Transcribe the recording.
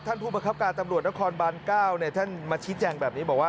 ผู้ประคับการตำรวจนครบาน๙ท่านมาชี้แจงแบบนี้บอกว่า